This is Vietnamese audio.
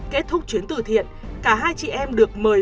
kết thúc chuyến từ thiện cả hai chị em được mời